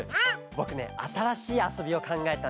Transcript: ぼくねあたらしいあそびをかんがえたんだけど。